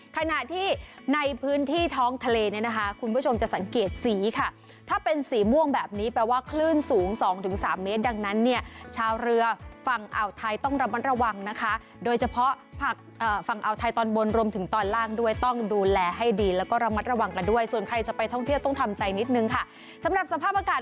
ขณะที่ในพื้นที่ท้องทะเลเนี่ยนะคะคุณผู้ชมจะสังเกตสีค่ะถ้าเป็นสีม่วงแบบนี้แปลว่าคลื่นสูง๒๓เมตรดังนั้นเนี่ยชาวเรือฝั่งอ่าวไทยต้องระมัดระวังนะคะโดยเฉพาะผักฝั่งอ่าวไทยตอนบนรวมถึงตอนล่างด้วยต้องดูแลให้ดีแล้วก็ระมัดระวังกันด้วยส่วนใครจะไปท่องเที่ยวต้องทำใจนิดนึงค่ะสำหรับสภาพอากาศ